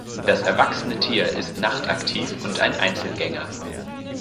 Das erwachsene Tier ist nachtaktiv und ein Einzelgänger.